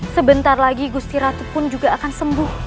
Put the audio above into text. sebentar lagi gusti ratu pun juga akan sembuh